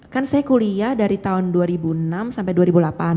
kan saya kuliah dari tahun dua ribu enam sampai dua ribu delapan